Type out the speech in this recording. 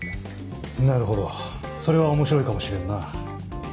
なるほどそれは面白いかもしれんな。